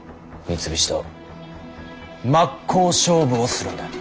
三菱と真っ向勝負をするんだ。